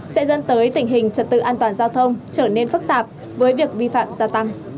sẽ dẫn tới tình hình trật tự an toàn giao thông trở nên phức tạp với việc vi phạm gia tăng